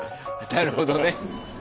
なるほどね。